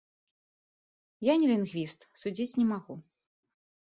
Я не лінгвіст, судзіць не магу.